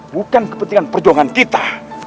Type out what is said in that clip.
bukan kepentingan perjuangan kita